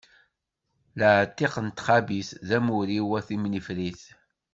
Laɛtiq n txabit, d amur-im a timnifrit!